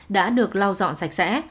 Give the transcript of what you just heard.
đã được lau dọn sạch sẽ